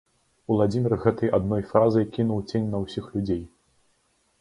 Уладзімір гэтай адной фразай кінуў цень на ўсіх людзей.